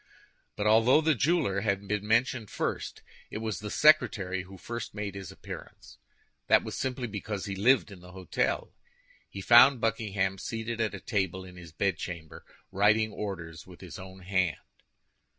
But although the jeweler had been mentioned first, it was the secretary who first made his appearance. This was simply because he lived in the hôtel. He found Buckingham seated at a table in his bedchamber, writing orders with his own hand.